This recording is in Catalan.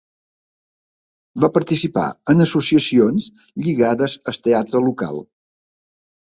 Va participar en associacions lligades al teatre local.